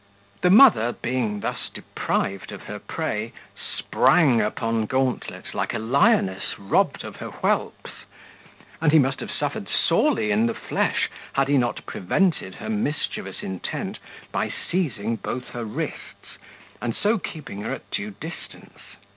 The mother, being thus deprived of her prey, sprang upon Gauntlet like a lioness robbed of her whelps; and he must have suffered sorely in the flesh, had he not prevented her mischievous intent by seizing both her wrists, and so keeping her at due distance.